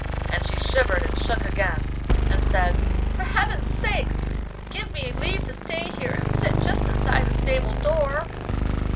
and she shivered and shook again, and said, 'For heaven's sake give me leave to stay here and sit just inside the stable door.